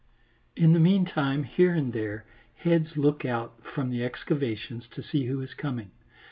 In the meantime here and there heads look out from the excavations to see who is coming.